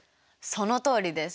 そのとおりです。